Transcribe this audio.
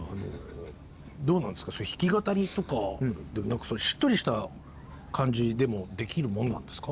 弾き語りとかしっとりした感じでもできるものなんですか？